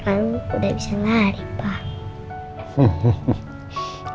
kan udah bisa lari pak